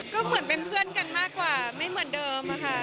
ก็เหมือนเป็นเพื่อนกันมากกว่าไม่เหมือนเดิมค่ะ